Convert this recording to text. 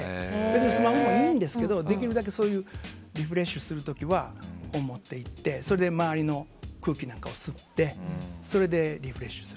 スマホもいいんですけどできるだけリフレッシュする時は本を持っていって周りの空気なんかを吸ってそれでリフレッシュする。